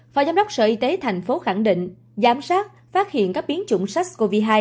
phó giám đốc sở y tế thành phố khẳng định giám sát phát hiện các biến chủng sars cov hai